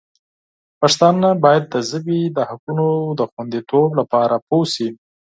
پښتانه باید د ژبې د حقونو د خوندیتوب لپاره پوه شي.